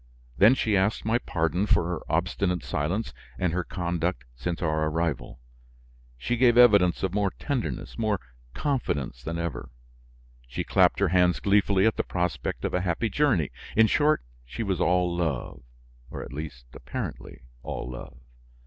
Then she asked my pardon for her obstinate silence and her conduct since our arrival. She gave evidence of more tenderness, more confidence than ever. She clapped her hands gleefully at the prospect of a happy journey; in short, she was all love, or at least apparently all love.